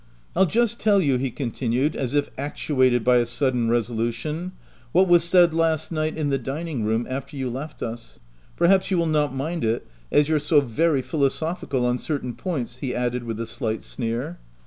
I'll just tell you," he continued, as if actuated by a sudden resolution, " what was said last night in the dining room, after you left us — perhaps you will not mind it as you're so very philosophical on certain points," he added with a slight sneer.